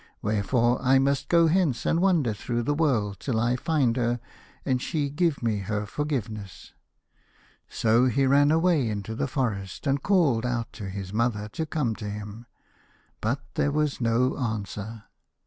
Wherefore I must go hence, and wander through the world till I find her, and she give me her forgiveness." So he ran away into the forest and called out to his mother to come to him, but there was no answer.